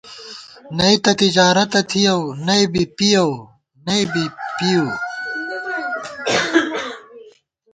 نئی تہ تجارَتہ تھِیَؤ ، نئی بی پِیَؤ ، نئی بی پِؤ